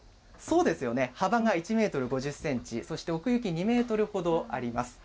幅が１メートル５０センチ、そして奥行き２メートルほどあります。